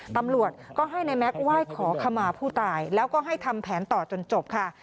ตำรวจก็ให้นายแม็กซ์ไหว้ขอขมาผู้ตายแล้วก็ให้ทำแผนต่อจนจบค่ะ